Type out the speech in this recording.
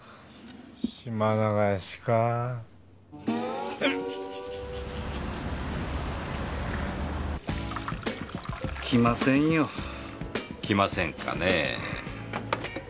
島流しかあヒック。来ませんよ。来ませんかねえ。